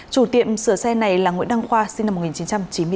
chủ tiệm sửa xe này là nguyễn đăng khoa sinh năm một nghìn chín trăm chín mươi bốn